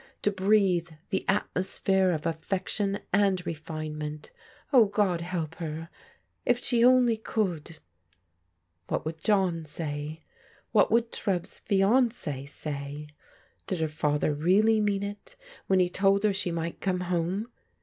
To breathe the atmosphere of affection and refinement! Oh, God hdp her I— if she only cooldl What would ]obn say? What would Treves fiancee say ? Did her father really mean it when he told her she mi^t come home?